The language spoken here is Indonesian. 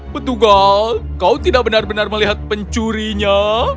petugas kau tidak benar benar melihat pencurinya